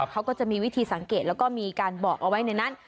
เขาก็จะมีวิธีสังเกตแล้วก็มีการบอกเอาไว้ในนั้น